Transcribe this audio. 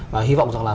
và hy vọng rằng là